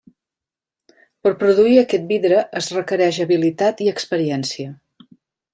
Per produir aquest vidre es requereix habilitat i experiència.